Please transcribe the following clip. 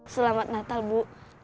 selamat natal bu